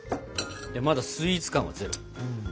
まだスイーツ感はゼロ。